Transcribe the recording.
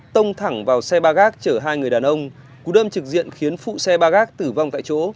tông thẳng vào xe ba gác chở hai người đàn ông cú đâm trực diện khiến phụ xe ba gác tử vong tại chỗ